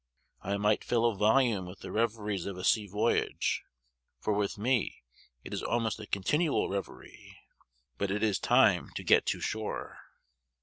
I might fill a volume with the reveries of a sea voyage; for with me it is almost a continual reverie but it is time to get to shore.